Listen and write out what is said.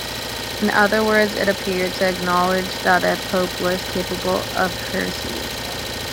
In other words, it appeared to acknowledge that a pope was capable of heresy.